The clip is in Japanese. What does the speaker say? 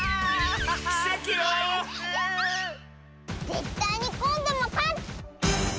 ぜったいにこんどもかつ！